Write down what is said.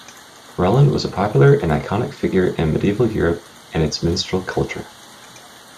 Roland was a popular and iconic figure in medieval Europe and its minstrel culture.